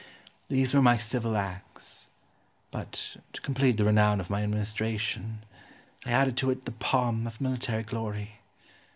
These were my civil acts; but, to complete the renown of my administration, I added to it the palm of military glory.